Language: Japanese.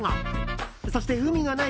そして海がない